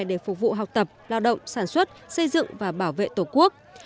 để phục vụ học tập lao động sản xuất xây dựng và bảo vệ tổ quốc